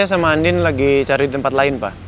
ini saya sama andin lagi cari tempat lain pak